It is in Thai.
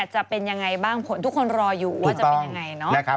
จะเป็นยังไงบ้างทุกคนรออยู่ว่าจะเป็นอย่างไร